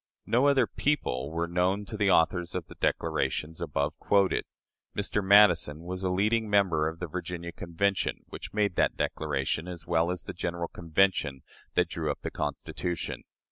No other people were known to the authors of the declarations above quoted. Mr. Madison was a leading member of the Virginia Convention, which made that declaration, as well as of the general Convention that drew up the Constitution.